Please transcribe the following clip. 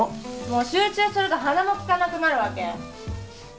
もう集中すると鼻もきかなくなるわけ？